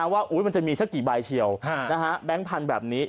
ว่ามันจะมีสักกี่ใบเชียวแบงค์พันธุ์แบบนี้